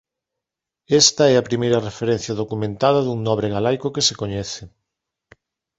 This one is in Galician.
Esta é primeira referencia documentada dun nobre galaico que se coñece.